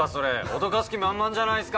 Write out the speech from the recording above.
脅かす気満々じゃないっすか。